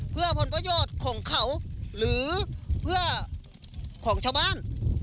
เพื่อผลประโยชน์ของเขาหรือเพื่อของชาวบ้าน